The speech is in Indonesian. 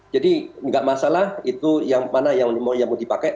jadi tidak masalah itu mana yang mau dipakai